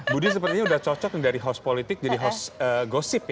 budi sepertinya sudah cocok dari house politik jadi host gosip ya